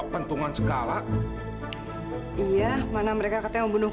pasti sedih mama hilang